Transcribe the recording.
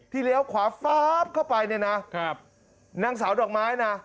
เลี้ยวขวาฟ้าบเข้าไปเนี่ยนะครับนางสาวดอกไม้นะ